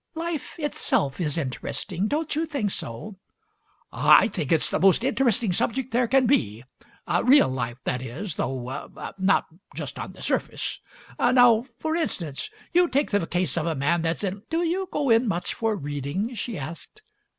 "Life itself is interesting. Don't you think so?" "I think it's the most interesting subject there can be. Real life, that is, though — not just on the surface. Now, for instance, you take the case of a man that's in " "Do you go in much for reading?" she asked.